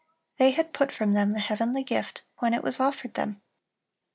They had put from them the heavenly gift, when it was offered them.